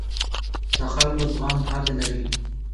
د خلکو زغم حد لري